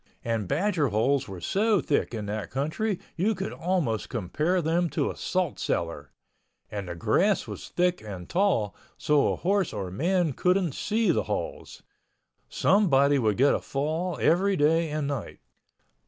And badger holes were so thick in that country you could almost compare them to a saltcellar—and the grass was thick and tall so a horse or man couldn't see the holes. Somebody would get a fall every day and night.